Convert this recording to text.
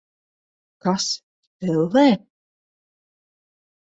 Kas, ellē?